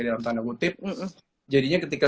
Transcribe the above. dalam tanda kutip jadinya ketika